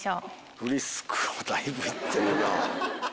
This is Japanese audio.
フリスクだいぶ行ってるな。